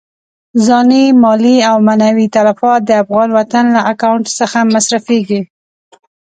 ځاني، مالي او معنوي تلفات د افغان وطن له اکاونټ څخه مصرفېږي.